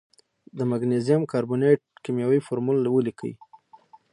د مګنیزیم کاربونیټ کیمیاوي فورمول ولیکئ.